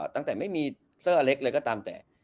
ตั้งแต่ไม่มีเซอร์เล็กเลยก็ตามแต่